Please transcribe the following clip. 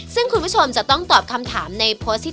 ซึ่งคุณผู้ชมจะต้องตอบคำถามในโพสต์ที่